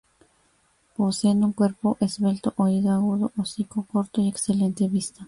Poseen un cuerpo esbelto, oído agudo, hocico corto y excelente vista.